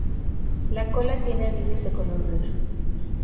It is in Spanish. La cola tiene anillos de color gris.